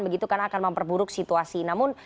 begitu karena akan memperburuk situasi namun